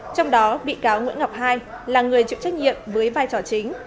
trong đó bị cáo nguyễn ngọc hai là người chịu trách nhiệm với vai trò chính